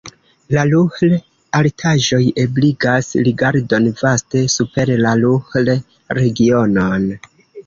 La Ruhr-Altaĵoj ebligas rigardon vaste super la Ruhr-Regionon.